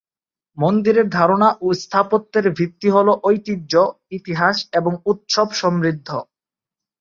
মন্দিরের ধারণা ও স্থাপত্যের ভিত্তি হল ঐতিহ্য, ইতিহাস এবং উৎসব সমৃদ্ধ।